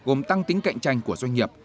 gồm tăng tính cạnh tranh của doanh nghiệp